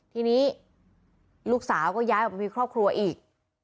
ทีนี้ลูกสาวก็ย้ายออกไปมีครอบครัวอีก